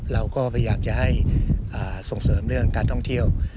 เราก็พยายามจะให้ส่งเสริมเรื่องการท่องเที่ยว